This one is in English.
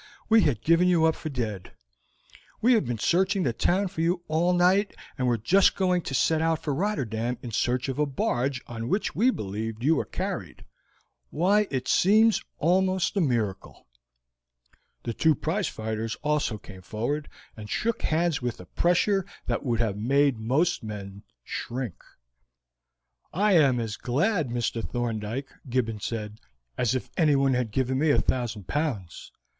We had given you up for dead. We have been searching the town for you all night, and were just going to set out for Rotterdam in search of a barge on which we believed you were carried. Why, it seems almost a miracle!" The two prize fighters also came forward, and shook hands with a pressure that would have made most men shrink. "I am as glad, Mr. Thorndyke," Gibbons said, "as if anyone had given me a thousand pounds.